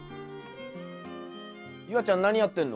夕空ちゃん何やってんの？